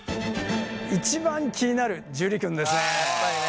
一番気になる樹君ですね。